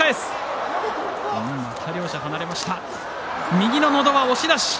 右ののど輪、押し出し。